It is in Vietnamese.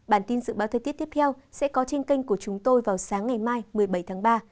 bản tin dự báo thời tiết tiếp theo sẽ có trên kênh của chúng tôi vào sáng ngày mai một mươi bảy tháng ba